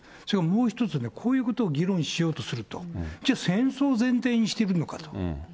それからもう一つ、こういうことを議論しようとすると、じゃあ戦争前提にしているのかと。